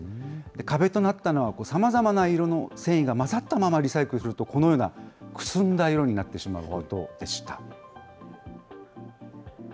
壁となったのは、さまざまな色の繊維が混ざったままリサイクルすると、このような、くすんだ色になってしまうことでした。